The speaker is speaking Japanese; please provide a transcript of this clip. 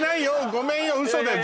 ごめんよ嘘だよ